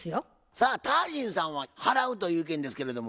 さあタージンさんは払うという意見ですけれども。